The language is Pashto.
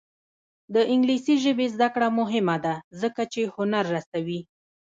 د انګلیسي ژبې زده کړه مهمه ده ځکه چې هنر رسوي.